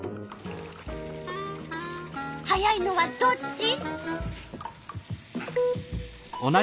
速いのはどっち？